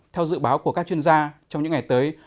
theo dự báo của các chuyên gia trong những ngày tới